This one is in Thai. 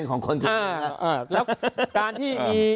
แล้วการที่มี